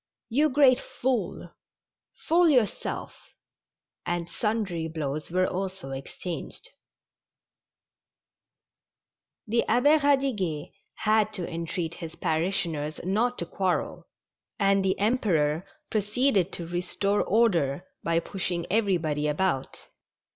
''You great fool!" "Fool yourself! '' and sundry blows were also exchanged. Tlie Abbd Radiguet had to entreat his parishioners 212 THE STRANGE CATCH. not to quarrel, and tlie Emperor proceeded to restore order by pushing everybody about.